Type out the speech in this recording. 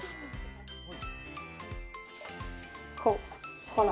こうほら。